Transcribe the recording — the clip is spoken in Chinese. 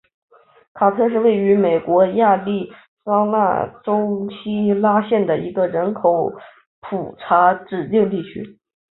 卡特是位于美国亚利桑那州希拉县的一个人口普查指定地区。